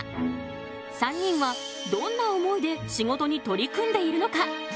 ３人はどんな思いで仕事に取り組んでいるのか。